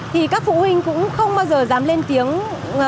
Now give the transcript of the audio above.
thì các phụ huynh cũng không bao giờ dám lên tiếng